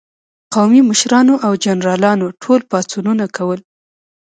قومي مشرانو او جنرالانو ټول پاڅونونه کول.